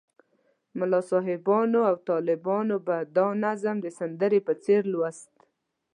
ملا صاحبانو او طالبانو به دا نظم د سندرې په څېر لوست.